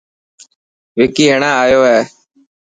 وڪي هيڻان آيو هي.